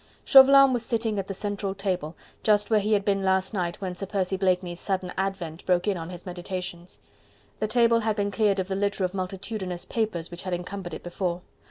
Chauvelin was sitting at the central table, just where he had been last night when Sir Percy Blakeney's sudden advent broke in on his meditations. The table had been cleared of the litter of multitudinous papers which had encumbered it before.